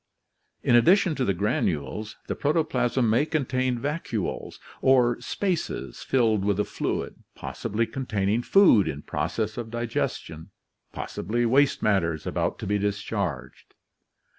In addition to the granules, the pro toplasm may contain vacuoles or spaces filled with a fluid, possibly containing food in process of digestion, possibly waste matters about to be discharged.